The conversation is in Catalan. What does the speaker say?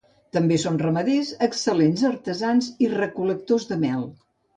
També són ramaders, excel·lents artesans i recol·lectors de mel.